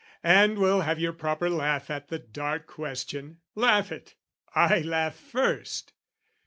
and will have your proper laugh At the dark question, laugh it! I laugh first.